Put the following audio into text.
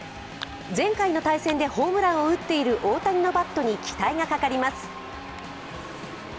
前回の対戦でホームランを打っている大谷のバットに期待がかかります。